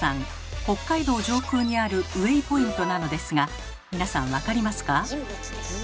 北海道上空にあるウェイポイントなのですが皆さん分かりますか？